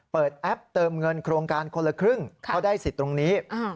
แอปเติมเงินโครงการคนละครึ่งเขาได้สิทธิ์ตรงนี้